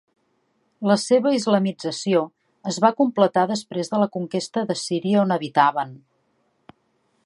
La seva islamització es va completar després de la conquesta de Síria on habitaven.